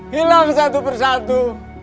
hilang satu persatu